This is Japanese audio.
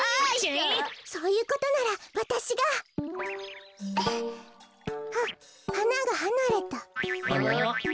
そういうことならわたしが。ははながはなれた。